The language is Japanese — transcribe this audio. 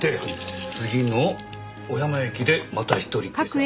次の小山駅でまた１人下車。